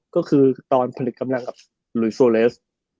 ก็คือตอนผลิตกำลังกับลุยโซเลส